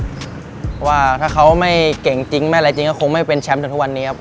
เพราะว่าถ้าเขาไม่เก่งจริงไม่อะไรจริงก็คงไม่เป็นแชมป์แต่ทุกวันนี้ครับ